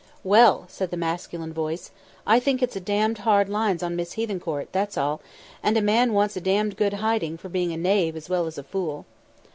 "... Well!" said the masculine voice, "I think it's damned hard lines on Miss Hethencourt, that's all; and a man wants a damned good hiding for being a knave as well as a fool."